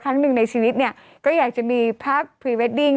ครั้งหนึ่งในชีวิตเนี่ยก็อยากจะมีภาพพรีเวดดิ้ง